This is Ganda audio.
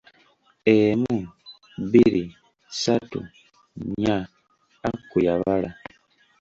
Emu, bbiri, ssatu, nnya, Aku yabala.